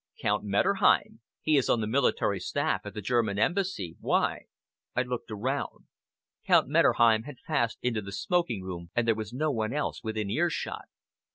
"Count Metterheim he is on the military staff at the German Embassy. Why?" I looked around. Count Metterheim had passed into the smoking room, and there was no one else within ear shot.